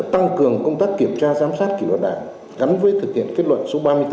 tăng cường công tác kiểm tra giám sát kỷ luật đảng gắn với thực hiện kết luận số ba mươi bốn